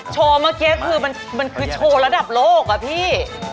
โชว์เมื่อกี้คือมันคือโชว์ระดับโลกอะพี่